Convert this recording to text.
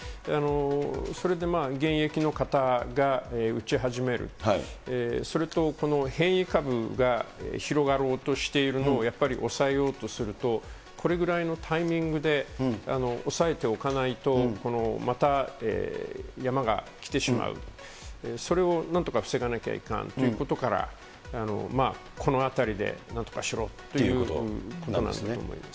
それで現役の方が打ち始める、それとこの変異株が広がろうとしているのを、やっぱり抑えようとすると、これぐらいのタイミングで抑えておかないと、また山がきてしまう、それをなんとか防がなきゃいかんということから、まあ、このあたりでなんとかしろということなんだと思います。